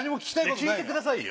聞いてくださいよ。